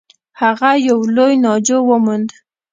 هغه یو لوی ناجو و موند.